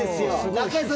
中居さん